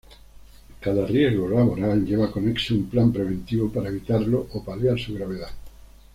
Cada riesgo laboral lleva conexo un plan preventivo para evitarlo o paliar su gravedad.